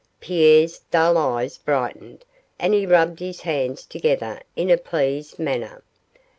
Pierre's dull eyes brightened, and he rubbed his hands together in a pleased manner.